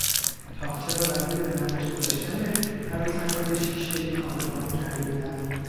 تاقچه را برای به نمایش گذاشتن عروسکهای شیشهای خانه خانه کرده بودند.